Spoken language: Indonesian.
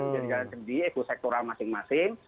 jadi jalan sendiri ekosektoral masing masing